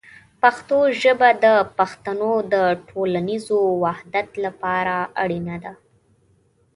پښتو ژبه د پښتنو د ټولنیز وحدت لپاره اړینه ده.